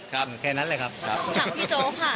ถามพี่โจค่ะ